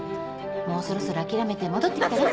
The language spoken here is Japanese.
もうそろそろ諦めて戻って来たら？